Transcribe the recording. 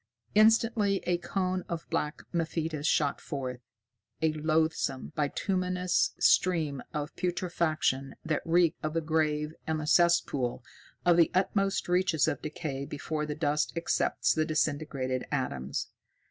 Instantly a cone of black mephitis shot forth, a loathsome, bituminous stream of putrefaction that reeked of the grave and the cesspool, of the utmost reaches of decay before the dust accepts the disintegrated atoms.